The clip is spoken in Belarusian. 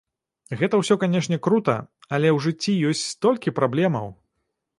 Гэта ўсё, канешне, крута, але ў жыцці ёсць столькі праблемаў!